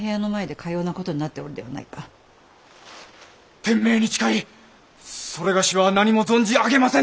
天命に誓いそれがしは何も存じ上げませぬ！